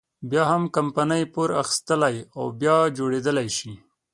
بيا هم کمپنۍ پور اخیستلی او بیا جوړېدلی شي.